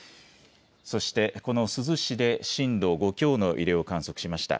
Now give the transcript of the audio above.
そしてこの珠洲市で震度５強の揺れを観測しました。